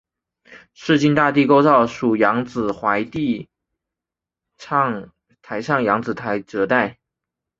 市境大地构造属扬子准地台上扬子台褶带。